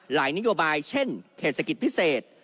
หลายนโยบายเช่นเขตศักดิ์พิเศษ